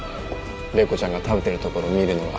麗子ちゃんが食べてるところ見るのが